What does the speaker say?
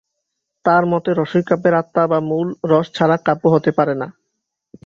তাঁর মতে রসই কাব্যের আত্মা বা মূল, রস ছাড়া কাব্য হতে পারে না।